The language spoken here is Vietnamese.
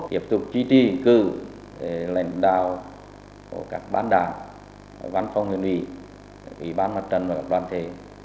tiếp tục chỉ trị cử lãnh đạo của các bán đảng bán phong huyện ủy ủy ban mặt trần và các đoàn thể